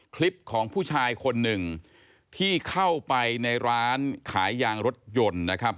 คลิปของผู้ชายคนหนึ่งที่เข้าไปในร้านขายยางรถยนต์นะครับ